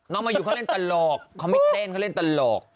มายูเขาเล่นตลกเขาไม่เต้นเขาเล่นตลก